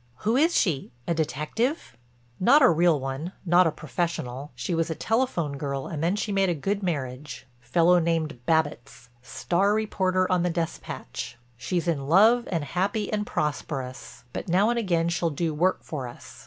"Who is she—a detective?" "Not a real one, not a professional. She was a telephone girl and then she made a good marriage—fellow named Babbitts, star reporter on the Despatch. She's in love and happy and prosperous, but now and again she'll do work for us.